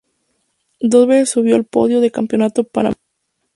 Dos veces subió al podio del Campeonato Panamericano.